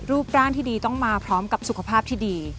รูปร่างที่ดีต้องมาพร้อมกับสุขภาพที่ดี